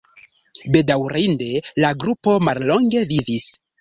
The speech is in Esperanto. Bedaŭrinde la grupo mallonge vivis.